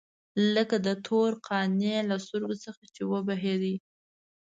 لکه د تور قانع له سترګو څخه چې وبهېدې.